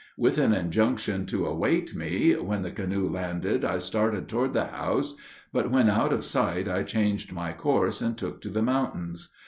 With an injunction to await me, when the canoe landed I started toward the house; but when out of sight I changed my course and took to the mountains.